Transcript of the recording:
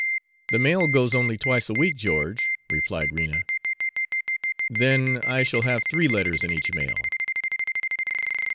"The mail goes only twice a week, George," replied Rena. "Then I shall have three letters in each mail."